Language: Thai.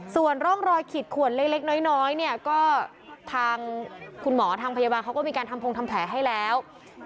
ส่วนร่องรอยขีดขวนเล็กน้อยเนี่ยก็ทางคุณหมอทางพยาบาลเขาก็มีการทำพงทำแผลให้แล้ว